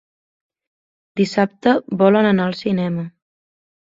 Dissabte volen anar al cinema.